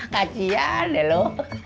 kacian ya lo